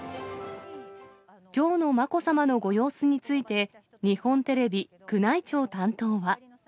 きょうのまこさまのご様子について、日本テレビ宮内庁担当は。